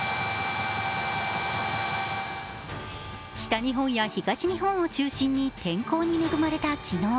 北日本や東日本を中心に天候に恵まれた昨日。